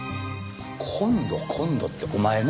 今度今度ってお前な。